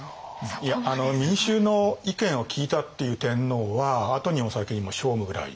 いや民衆の意見を聞いたっていう天皇は後にも先にも聖武ぐらい。